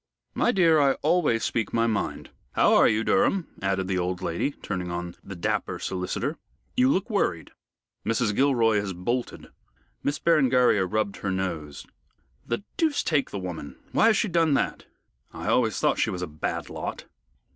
"My dear, I always speak my mind. How are you, Durham?" added the old lady, turning on the dapper solicitor. "You look worried." "Mrs. Gilroy has bolted." Miss Berengaria rubbed her nose. "The deuce take the woman! Why has she done that? I always thought she was a bad lot."